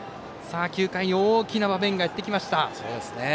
９回に大きな場面がやってきました。